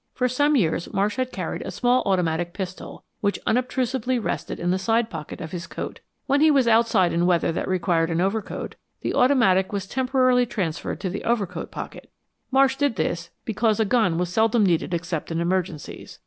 For some years Marsh had carried a small automatic pistol, which unobtrusively rested in the side pocket of his coat. When he was outside in weather that required an overcoat, the automatic was temporarily transferred to the overcoat pocket. Marsh did this because a gun was seldom needed except in emergencies.